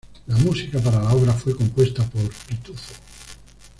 La música para la obra fue compuesta por "Pitufo".